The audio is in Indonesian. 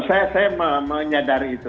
saya menyadari itu